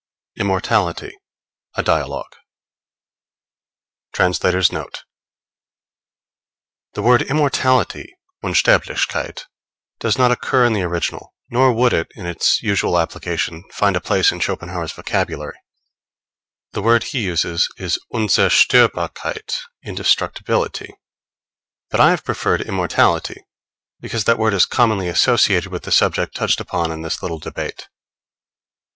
IMMORTALITY: A DIALOGUE. [Footnote 1: Translator's Note. The word immortality Unsterblichkeit does not occur in the original; nor would it, in its usual application, find a place in Schopenhauer's vocabulary. The word he uses is Unzerstörbarkeit indestructibility. But I have preferred immortality, because that word is commonly associated with the subject touched upon in this little debate.